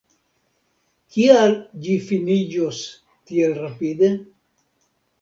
Kial ĝi finiĝos tiel rapide?